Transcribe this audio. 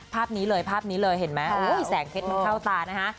ภาพนี้เลยเห็นไหมแสงเพชรมันเข้าตานะฮะ